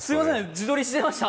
自撮りしてました。